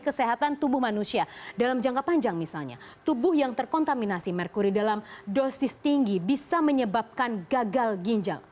kesehatan tubuh manusia dalam jangka panjang misalnya tubuh yang terkontaminasi merkuri dalam dosis tinggi bisa menyebabkan gagal ginjal